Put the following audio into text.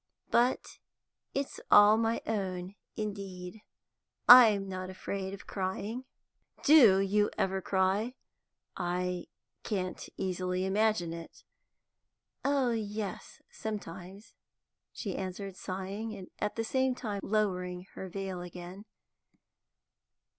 But it's all my own, indeed; I'm not afraid of crying." "Do you ever cry? I can't easily imagine it." "Oh yes, sometimes," she answered, sighing, and at the same time lowering her veil again.